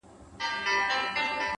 هوښیار انسان د خبرو وخت پېژني،